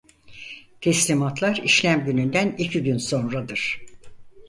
Teslimatlar işlem gününden iki gün sonradır.